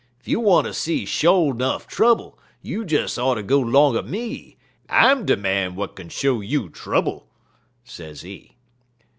Ef you wanter see sho' 'nuff trouble, you des oughter go 'longer me; I'm de man w'at kin show you trouble,' sezee.